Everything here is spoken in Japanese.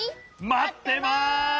まってます。